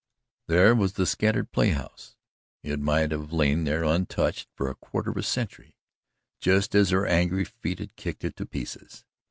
There was the scattered playhouse it might have lain there untouched for a quarter of a century just as her angry feet had kicked it to pieces.